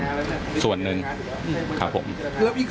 อีกส่วนคือไม่ได้เนื่อง